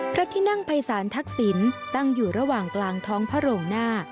พระที่นั่งภัยศาลทักษิณตั้งอยู่ระหว่างกลางท้องพระโรงหน้า